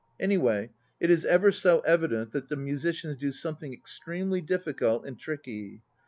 Anyway, it is ever so evident that the musicians do something extremely difficult and tricky.